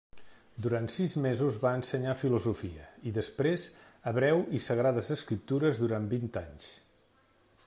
Durant sis mesos va ensenyar filosofia, i després hebreu i sagrades escriptures durant vint anys.